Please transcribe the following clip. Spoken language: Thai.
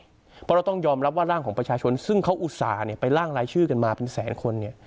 เพราะเราต้องยอมรับว่าร่างของประชาชนซึ่งเขาอุตส่าห์ไปล่างรายชื่อกันมาเป็นแสนคน